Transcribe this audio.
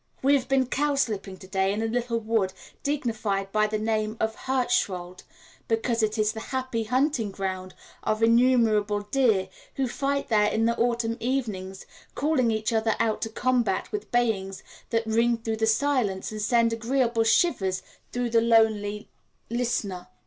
We have been cowslipping to day in a little wood dignified by the name of the Hirschwald, because it is the happy hunting ground of innumerable deer who fight there in the autumn evenings, calling each other out to combat with bayings that ring through the silence and send agreeable shivers through the lonely listener.